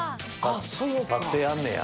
立ってやんねや。